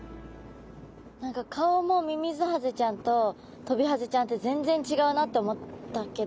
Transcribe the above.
何か顔もミミズハゼちゃんとトビハゼちゃんって全然違うなって思ったけど。